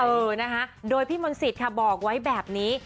เออนะคะโดยพี่มนต์สิทธิ์ค่ะบอกไว้แบบนี้